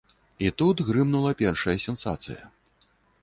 І тут грымнула першая сенсацыя.